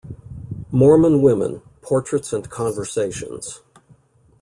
Mormon Women: Portraits and Conversations.